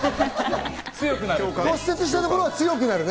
骨折したところは強くなるね。